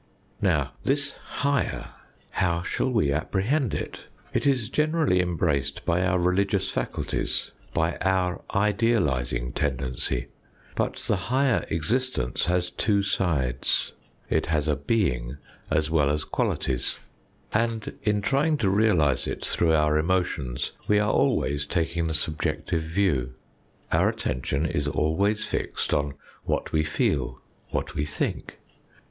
Now, this higher how shall we apprehend it ? It is generally embraced by our religious faculties, by our idealising tendency. But the higher existence has two sides. It has a being as well as qualities. And in trying 1 2 THE FOURTH DIMENSION to realise it through our emotions we are always taking the subjective view. Our attention is always fixed on what we feel, what we think.